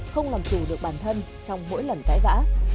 không làm chủ được bản thân trong mỗi lần cãi vã